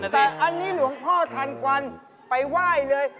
แต่อันนี้หลวงพ่อทันกวันไปไหว้เลย